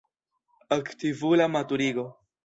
Aktivula maturigo.